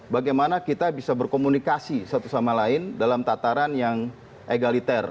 bagaimana kita bisa berkomunikasi satu sama lain dalam tataran yang egaliter